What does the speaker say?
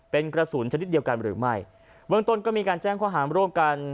เป็นกระสุนชนิดเดียวกันหรือไม่เบื้องต้นก็มีการแจ้งข้อหามร่วมกัน